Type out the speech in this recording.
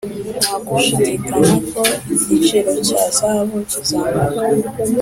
nta gushidikanya ko igiciro cya zahabu kizamuka.